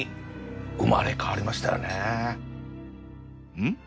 うん！？